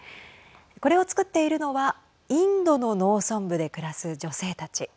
これを作っているのはインドの農村部で暮らす女性たち。